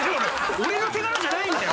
俺の手柄じゃないんだよ。